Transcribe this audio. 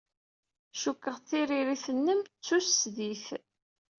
Cikkeɣ tiririt-nnem d tusdidt.